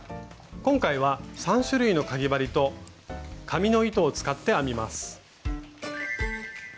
今回は３種類のかぎ針と紙の糸を使って編みます。